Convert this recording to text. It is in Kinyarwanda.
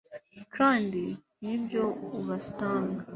Kandi niyo ubasanga